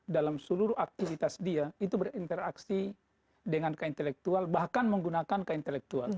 dalam seluruh aktivitas dia itu berinteraksi dengan ke intelektual bahkan menggunakan ke intelektual